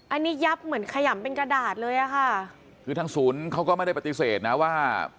อันนี้ยับเหมือนขยำเป็นกระดาษเลยอ่ะค่ะคือทางศูนย์เขาก็ไม่ได้ปฏิเสธนะว่า